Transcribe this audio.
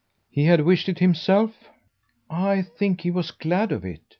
"He had wished it himself?" "I think he was glad of it.